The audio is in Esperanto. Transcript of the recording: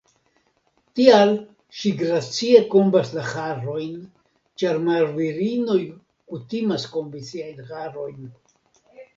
Tial ŝi gracie kombas la harojn, ĉar marvirinoj kutimas kombi siajn harojn